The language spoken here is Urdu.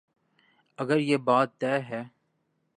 اگر یہ بات طے ہے۔